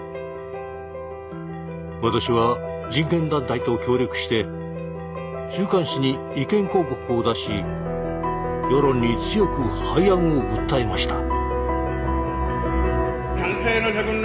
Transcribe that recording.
私は人権団体と協力して週刊誌に意見広告を出し世論に強く廃案を訴えました。